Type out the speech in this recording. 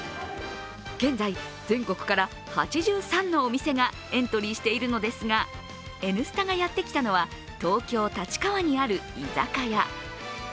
現在、全国から８３のお店がエントリーしているのですが、「Ｎスタ」がやってきたのは東京・立川にある居酒屋。